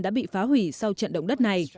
đã bị phá hủy sau trận động đất này